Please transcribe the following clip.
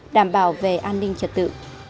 đảm bảo về an ninh trật tự